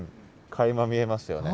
かいま見えますよね。